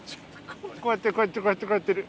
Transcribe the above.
こうやってこうやってこうやってこうやってる。